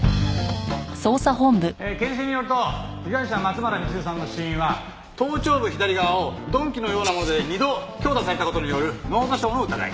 検視によると被害者松原みちるさんの死因は頭頂部左側を鈍器のようなもので二度強打された事による脳挫傷の疑い。